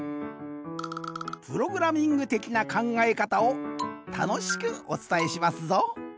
プログラミングてきなかんがえかたをたのしくおつたえしますぞ。